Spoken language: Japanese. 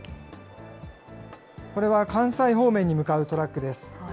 これは関西方面に向かうトラックです。